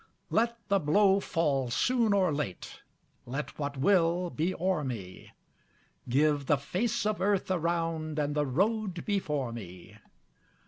Let the blow fall soon or late, Let what will be o'er me; Give the face of earth around And the road before me.